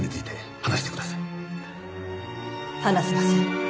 話せません。